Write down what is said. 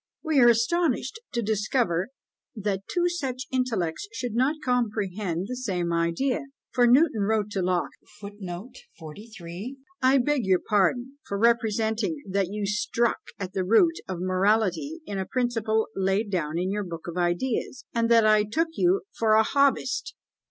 We are astonished to discover that two such intellects should not comprehend the same ideas; for Newton wrote to Locke, "I beg your pardon for representing that you struck at the root of morality in a principle laid down in your book of Ideas and that I took you for a Hobbist!"